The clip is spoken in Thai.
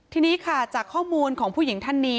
ทีนี้ค่ะจากข้อมูลของผู้หญิงท่านนี้